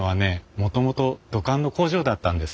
もともと土管の工場だったんです。